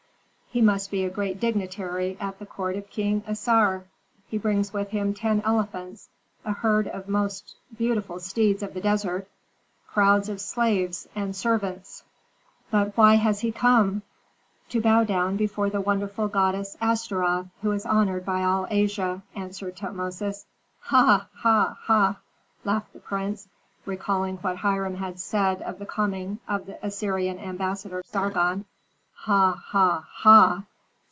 "He must be a great dignitary at the court of King Assar. He brings with him ten elephants, a herd of most beautiful steeds of the desert, crowds of slaves and servants." "But why has he come?" "To bow down before the wonderful goddess Astaroth, who is honored by all Asia," answered Tutmosis. "Ha! ha! ha!" laughed the prince, recalling what Hiram had said of the coming of the Assyrian ambassador, Sargon. "Ha! ha! ha!